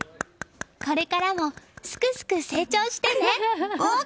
これからもすくすく成長してね！